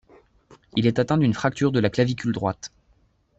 Il est atteint d'une fracture de la clavicule droite.